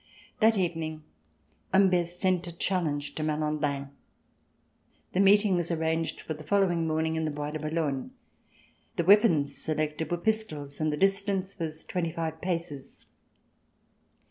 That evening Humbert sent a challenge to Ma landin. The meeting was arranged for the following morning in the Boisde Boulogne. The weapons selected were pistols and the distance was twenty five paces.